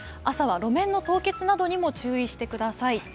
朝は路面の凍結などにも注意してください。